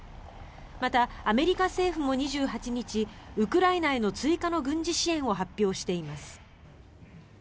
また、アメリカ政府も２８日ウクライナへの追加の軍事支援を発表しています。